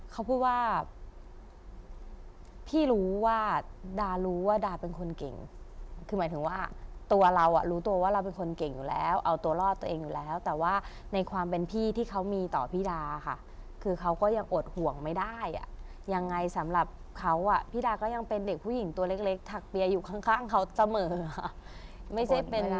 เขาพูดว่าพี่รู้ว่าดารู้ว่าดาเป็นคนเก่งคือหมายถึงว่าตัวเราอ่ะรู้ตัวว่าเราเป็นคนเก่งอยู่แล้วเอาตัวรอดตัวเองอยู่แล้วแต่ว่าในความเป็นพี่ที่เขามีต่อพี่ดาค่ะคือเขาก็ยังอดห่วงไม่ได้อ่ะยังไงสำหรับเขาอ่ะพี่ดาก็ยังเป็นเด็กผู้หญิงตัวเล็กถักเปียอยู่ข้างเขาเสมอไม่ใช่เป็นอะไร